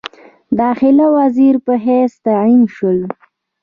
داخله وزیر په حیث تعین شول.